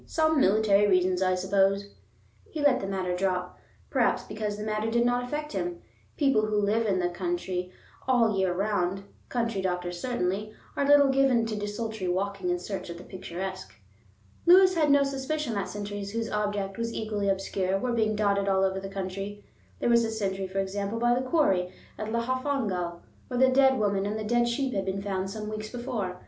"Some military reasons, I suppose." He let the matter drop, perhaps because the matter did not affect him. People who live in the country all the year round, country doctors certainly, are little given to desultory walking in search of the picturesque. Lewis had no suspicion that sentries whose object was equally obscure were being dotted all over the country. There was a sentry, for example, by the quarry at Llanfihangel, where the dead woman and the dead sheep had been found some weeks before.